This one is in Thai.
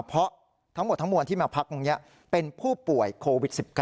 เพราะทั้งหมดทั้งมวลที่มาพักตรงนี้เป็นผู้ป่วยโควิด๑๙